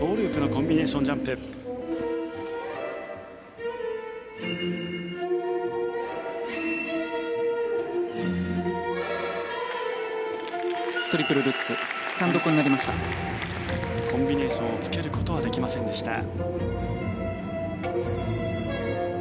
コンビネーションをつけることはできませんでした。